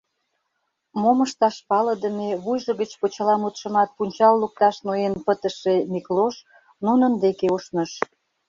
Мом ышташ палыдыме, вуйжо гыч почеламутшымат пунчал лукташ ноен пытыше Миклош нунын деке ушныш.